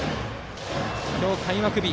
今日、開幕日。